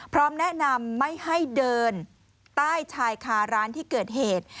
พร้อมแนะนำไม่ให้เดินใต้ชายคาร้านที่เกิดเหตุ